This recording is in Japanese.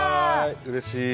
うれしい！